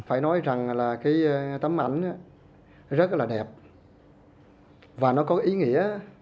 phải nói rằng là cái tấm ảnh rất là đẹp và nó có ý nghĩa